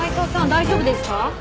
大丈夫ですか？